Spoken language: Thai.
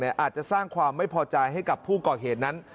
อาจจะสร้างความไม่พอใจให้กับผู้ก่อเหตุนั้น